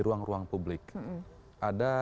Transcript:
ruang ruang publik ada